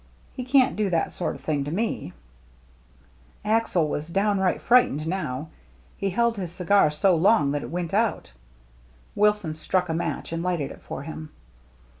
He can't do that sort o' thing to me !" Axel was downright frightened now. He held his cigar so long that it went out. Wilson struck a match, and lighted it for him.